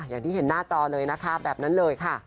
อย่างที่เห็นหน้าจอเลยนะคะแบบนั้นเลยค่ะ